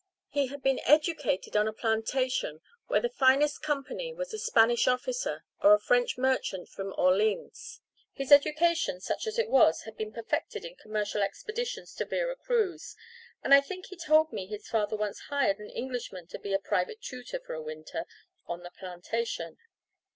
He had been educated on a plantation where the finest company was a Spanish officer or a French merchant from Orleans. His education, such as it was, had been perfected in commercial expeditions to Vera Cruz, and I think he told me his father once hired an Englishman to be a private tutor for a winter on the plantation.